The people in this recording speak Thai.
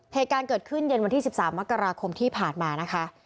เหตุการณ์เกิดขึ้นเย็นวันที่๑๓มกราคมที่ผ่านมานะคะ